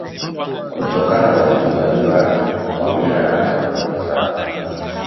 kutokana na utunzaji wake wa mila na tamaduni zao